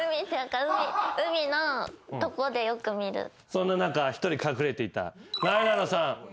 そんな中１人隠れていたなえなのさん。